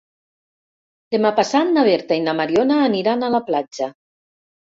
Demà passat na Berta i na Mariona aniran a la platja.